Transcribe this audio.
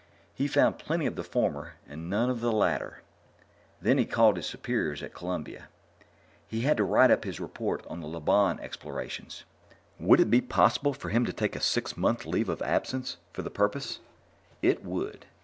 He found plenty of the former and none of the latter. Then he called his superiors at Columbia. He had to write up his report on the Lobon explorations. Would it be possible for him to take a six month leave of absence for the purpose? It would.